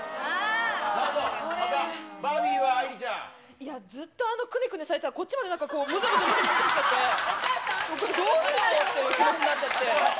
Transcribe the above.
いや、ずっとあのくねくねされたらこっちまで、なんかこう、むずむずしちゃって、どうだろうっていう気持ちになっちゃって。